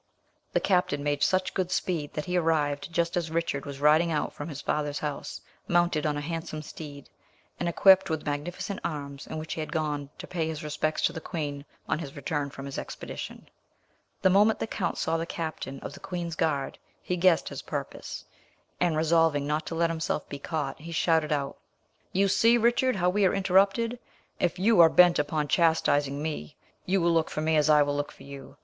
The captain made such good speed that he arrived just as Richard was riding out from his father's house, mounted on a handsome steed, and equipped with the magnificent arms in which he had gone to pay his respects to the queen on his return from his expedition. The moment the count saw the captain of the queen's guard, he guessed his purpose, and resolving not to let himself be caught, he shouted out, "You see, Richard, how we are interrupted. If you are bent upon chastising me, you will look for me as I will look for you.